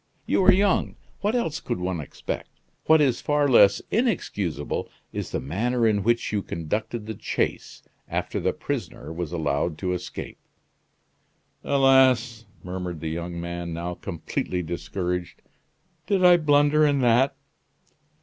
You are young what else could one expect? What is far less inexcusable is the manner in which you conducted the chase, after the prisoner was allowed to escape." "Alas!" murmured the young man, now completely discouraged; "did I blunder in that?"